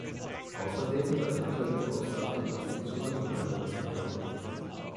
Außerdem seien Interview-Aussagen aus dem Zusammenhang gerissen worden.